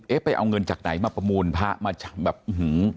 ไปเอาเงินจากไหนมาประมูลพระมาแบบอื้อหือ